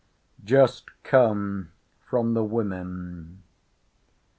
Just come from the women.